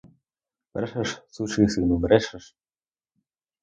Брешеш, сучий сину, брешеш!